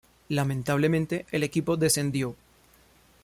Lamentablemente el equipo descendió.